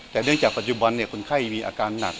แต่เนื่องจากปัจจุบันคนไข้มีอาการหนัก